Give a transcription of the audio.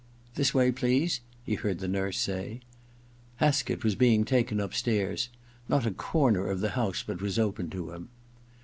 * This way, please,* he heard the nurse say. Haskett was being taken upstairs, then : not a corner of the house but was open to him.